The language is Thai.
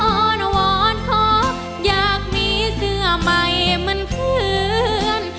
วรขออยากมีเสื้อใหม่เหมือนเพื่อน